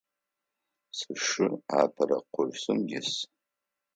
Сшы апэрэ курсым ис.